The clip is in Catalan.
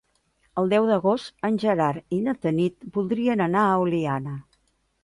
El deu d'agost en Gerard i na Tanit voldrien anar a Oliana.